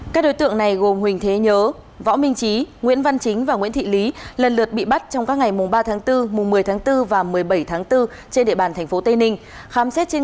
các đối tượng này gồm huỳnh thế nhớ võ minh trí nguyễn văn chính và nguyễn thị lý lần lượt bị bắt trong các ngày mùng ba tháng bốn mùng một mươi tháng bốn và một mươi bảy tháng bốn trên địa bàn tp tây ninh